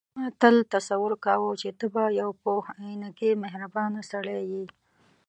ما تل تصور کاوه چې ته به یو پوخ عینکي مهربانه سړی یې.